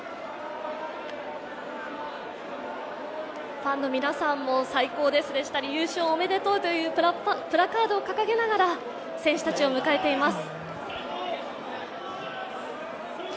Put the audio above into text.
ファンの皆さんも最高ですでしたり、優勝おめでとうというプラカードを掲げながら選手たちを迎えています。